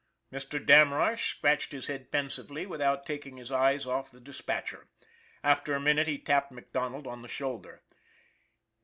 Mr. Damrosch scratched his head pensively, without taking his eyes off the dispatcher. After a minute he tapped MacDonald on the shoulder.